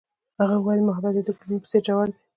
هغې وویل محبت یې د ګلونه په څېر ژور دی.